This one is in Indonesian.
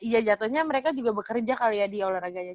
iya jatuhnya mereka juga bekerja kali ya di olahraganya